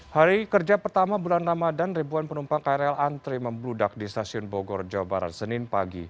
hari kerja pertama bulan ramadan ribuan penumpang krl antri membludak di stasiun bogor jawa barat senin pagi